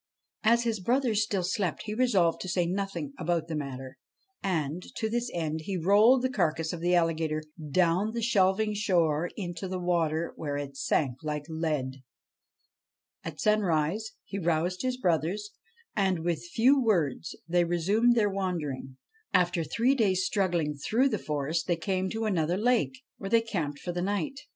As his brothers still slept he resolved to say nothing about the matter, and, to this end, he rolled the carcase of the alligator down the shelving shore into the water, where it sank like lead. At sun rise he roused his brothers, and, with few words, they resumed their wandering. After three days struggling through the forest, they came to another lake, where they camped for the night.